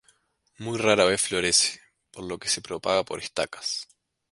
Muy rara vez florece, por lo que se propaga por estacas.